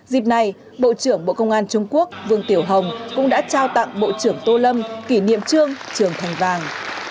dịp này bộ trưởng bộ công an trung quốc vương tiểu hồng cũng đã trao tặng bộ trưởng tô lâm kỷ niệm trương trường thành vàng